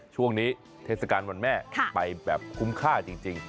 เทศกาลวันแม่ไปแบบคุ้มค่าจริง